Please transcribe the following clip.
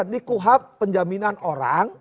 dikuhab penjaminan orang